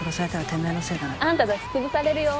あんたたち潰されるよ。